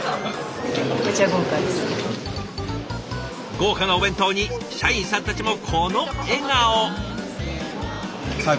豪華なお弁当に社員さんたちもこの笑顔。